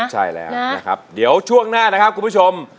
ใช่แล้วนะครับเดี๋ยวช่วงหน้านะครับคุณผู้ชม